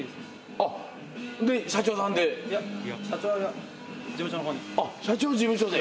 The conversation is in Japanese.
あっ社長事務所で。